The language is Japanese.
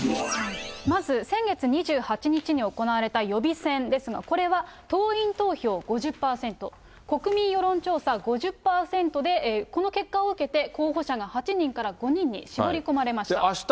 まず先月２８日に行われた予備選ですが、これは党員投票５０％、国民世論調査５０％で、この結果を受けて、候補者が８人から５人に絞り込まれました。